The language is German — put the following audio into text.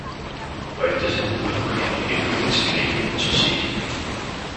Heute sind nur noch einige kurze Gräben zu sehen.